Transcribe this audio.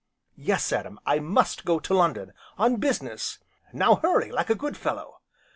"Yes, Adam, I must go to London on business, now hurry, like a good fellow."